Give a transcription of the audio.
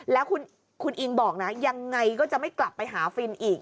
แล้วคุณอิงบอกนะยังไงก็จะไม่กลับไปหาฟินอีก